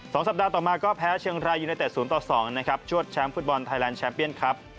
๒สัปดาห์ต่อมาก็แพ้เชียงรายยูเนเตศ๐ต่อ๒ชวดชั้นฟุตบอลไทยแลนด์แชมป์เบียนครับ